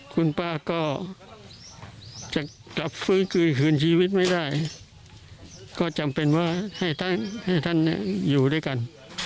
คุณป้าก็จะกลับฟื้นคืนคืนชีวิตไม่ได้ก็จำเป็นว่าให้ท่านให้ท่านอยู่ด้วยกัน